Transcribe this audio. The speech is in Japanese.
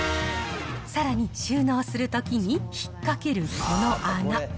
さらに、収納するときに引っ掛けるこの穴。